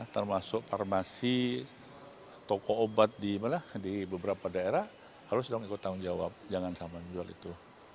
termasuk farmasi toko obat di beberapa daerah harus dong ikut tanggung jawab jangan sama sama jual itu